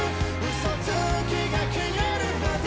「嘘つきが消えるまで」